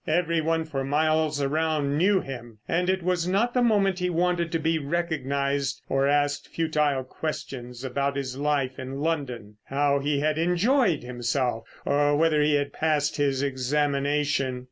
Every one for miles around knew him, and it was not the moment he wanted to be recognised or asked futile questions about his life in London—how he had enjoyed himself, or whether he had passed his examination.